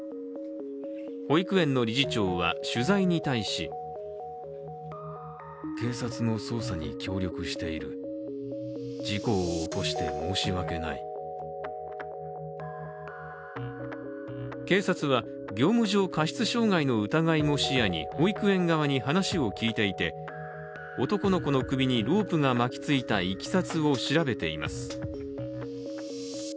保育園の理事長は、取材に対し警察は業務上過失傷害の疑いも視野に保育園側に話を聞いていて男の子の首にロープが巻きついたいきさつを調べています。